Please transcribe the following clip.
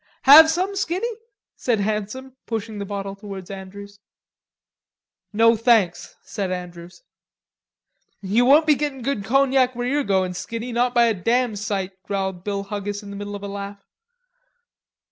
"Have some, Skinny?" said Handsome, pushing the bottle towards Andrews. "No, thanks," said Andrews. "Ye won't be gettin' good cognac where yer goin', Skinny, not by a damn sight," growled Bill Huggis in the middle of a laugh.